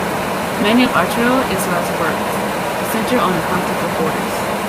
Many of Arturo Islas's works center on the conflict of borders.